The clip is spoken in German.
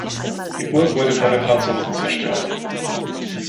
Die Burg wurde von den Franzosen zerstört.